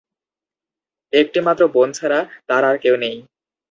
একটি মাত্র বোন ছাড়া তার আর কেউ নেই।